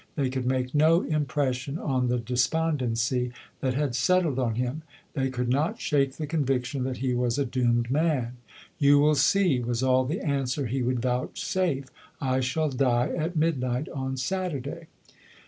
They could make no impression on the despondency that had settled on him; they could not shake the conviction that he was a doomed man. "You will see," was all the answer he would vouchsafe, "I shall die at midnight on Saturday."